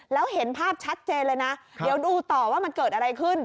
แล้วเห็นภาพชัดเจนเลยนะเดี๋ยวดูต่อว่ามันเกิดอะไรขึ้น